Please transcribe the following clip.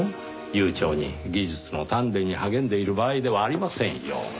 悠長に技術の鍛錬に励んでいる場合ではありませんよ。